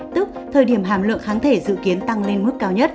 tức thời điểm hàm lượng kháng thể dự kiến tăng lên mức cao nhất